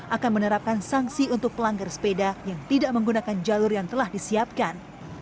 akan menerapkan sanksi untuk pelanggar sepeda yang tidak menggunakan jalur yang telah disiapkan